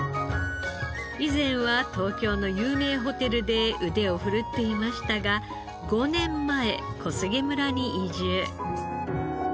以前は東京の有名ホテルで腕を振るっていましたが５年前小菅村に移住。